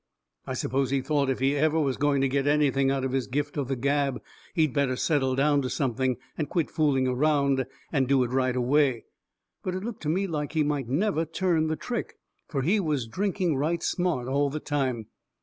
I suppose he thought if he was ever going to get anything out of his gift of the gab he better settle down to something, and quit fooling around, and do it right away. But it looked to me like he might never turn the trick. Fur he was drinking right smart all the time.